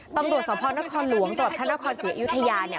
ตำรวจสมภวรนครหลวงตรวจท่านนครศรีอยุธยาเนี่ย